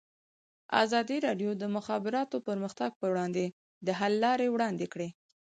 ازادي راډیو د د مخابراتو پرمختګ پر وړاندې د حل لارې وړاندې کړي.